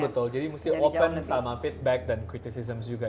betul jadi mesti open sama feedback dan criticisms juga